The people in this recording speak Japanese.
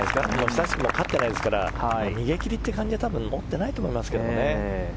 久しく勝ってないですから逃げ切りという感じは多分持ってないと思いますけどね。